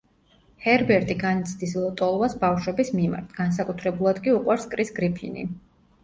ჰერბერტი განიცდის ლტოლვას ბავშვების მიმართ, განსაკუთრებულად კი უყვარს კრის გრიფინი.